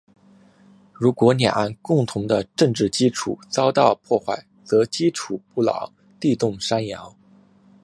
如果两岸共同的政治基础遭到破坏，则基础不牢，地动山摇。